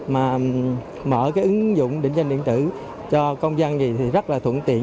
mà mở cái ứng dụng định danh điện tử cho công dân thì rất là thuận tiện